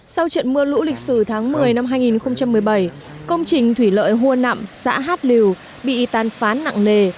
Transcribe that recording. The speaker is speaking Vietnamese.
sau trận mưa lũ lịch sử tháng một mươi năm hai nghìn một mươi bảy công trình thủy lợi hua nậm xã hát liều bị tàn phán nặng nề